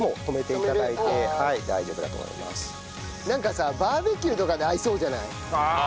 ここでなんかさバーベキューとかに合いそうじゃない？ああ！